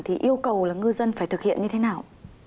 thì yêu cầu là ngư dân phải thực hiện như thế nào